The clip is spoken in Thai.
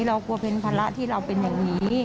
เรากลัวเป็นภาระที่เราเป็นอย่างนี้